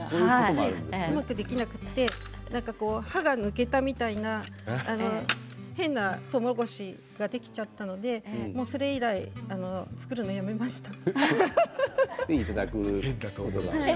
うまくできなくて歯が抜けたような、変なとうもろこしができちゃったのでそれ以来、作るのをやめました。